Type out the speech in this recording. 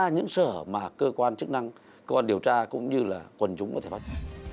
những sở mà cơ quan chức năng cơ quan điều tra cũng như là quần chúng có thể bắt